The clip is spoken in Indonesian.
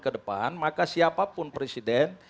ke depan maka siapapun presiden